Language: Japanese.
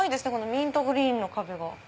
ミントグリーンの壁が。